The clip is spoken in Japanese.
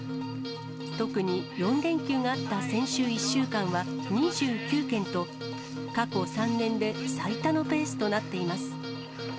特に４連休があった先週１週間は２９件と、過去３年で最多のペースとなっています。